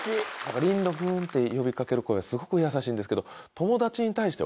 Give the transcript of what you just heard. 「リンドくん」って呼び掛ける声はすごく優しいんですけど。